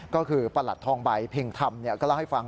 ก็คือประหลัดทองใบเพ็งธรรมก็เล่าให้ฟัง